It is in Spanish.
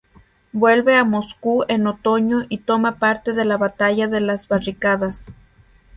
Vuelve a Moscú en otoño y toma parte en la Batalla de las Barricadas.